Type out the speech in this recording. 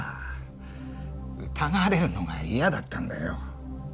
疑われるのが嫌だったんだよ。